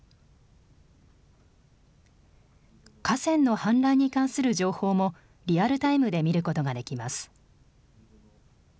河川の氾濫に関する情報もリアルタイムで見ることができます。